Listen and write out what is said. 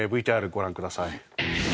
ＶＴＲご覧ください